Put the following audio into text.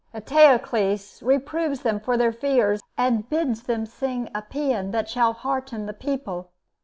Eteocles reproves them for their fears, and bids them sing a paean that shall hearten the people.